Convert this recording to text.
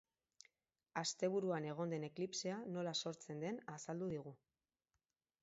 Asteburuan egon den eklipsea nola sortzen den azaldu digu.